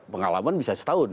pengalaman bisa setahun